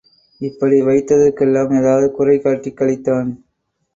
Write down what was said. இப்படி வைத்ததற்கு எல்லாம் ஏதாவது குறை காட்டிக் கழித்தான்.